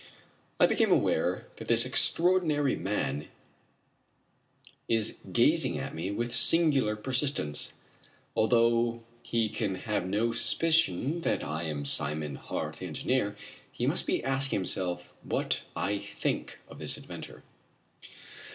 I become aware that this extraordinary man is gazing at me with singular persistence. Although he can have no suspicion that I am Simon Hart, the engineer, he must be asking himself what I think of this adventure.